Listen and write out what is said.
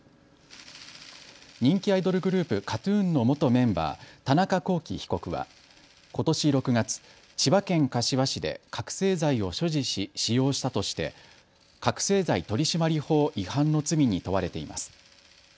人気アイドルグループ、ＫＡＴ−ＴＵＮの元メンバー、田中聖被告はことし６月、千葉県柏市で覚醒剤を所持し使用したとして覚醒剤取締法違反の罪に問われています。